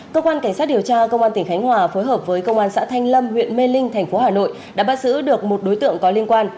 cơ quan cảnh sát điều tra công an tỉnh khánh hòa phối hợp với công an xã thanh lâm huyện mê linh thành phố hà nội đã bắt giữ được một đối tượng có liên quan